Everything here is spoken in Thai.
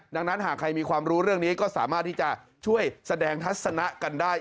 ดังนั้นหากใครมีความรู้เรื่องนี้ก็สามารถที่จะช่วยแสดงทัศนะกันได้